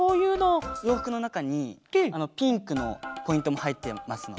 ようふくのなかにピンクのポイントもはいってますので。